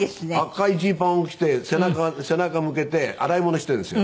赤いジーパンを着て背中向けて洗い物してるんですよ。